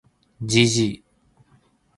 gg